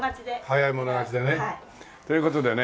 早い者勝ちでね。という事でね。